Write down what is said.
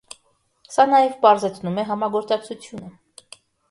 Սա նաև պարզեցնում է համագործակցությունը։